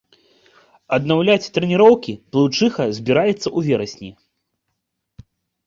Аднаўляць трэніроўкі плыўчыха збіраецца ў верасні.